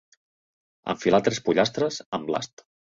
Enfilar tres pollastres amb l'ast.